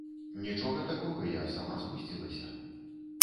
Нічога такога, я сама спусцілася.